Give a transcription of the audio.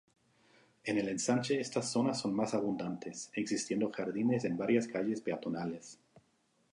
En el ensanche estas zonas son más abundantes, existiendo jardines en varias calles peatonales.